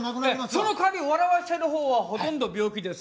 そのかわり笑わせる方はほとんど病気です。